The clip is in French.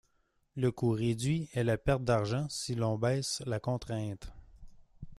Le coût réduit est la perte d'argent si l'on baisse la contrainte.